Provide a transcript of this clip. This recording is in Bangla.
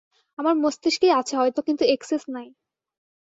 আমার মস্তিষ্কেই আছে হয়তো, কিন্তু একসেস নাই।